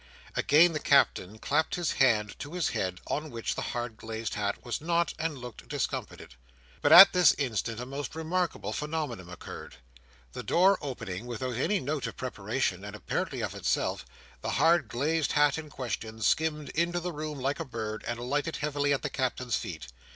Again the Captain clapped his hand to his head, on which the hard glazed hat was not, and looked discomfited. But at this instant a most remarkable phenomenon occurred. The door opening, without any note of preparation, and apparently of itself, the hard glazed hat in question skimmed into the room like a bird, and alighted heavily at the Captain's feet.